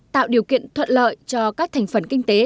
tạo điều kiện thuận lợi cho các thành phần kinh tế